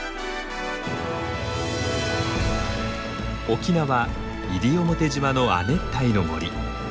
沖縄西表島の亜熱帯の森。